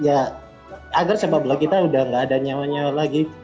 ya agar sepak bola kita udah gak ada nyawa nyawa lagi